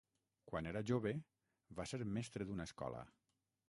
Quan era jove, va ser mestre d'una escola.